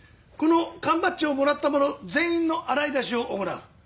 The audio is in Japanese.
この缶バッジをもらった者全員の洗い出しを行う。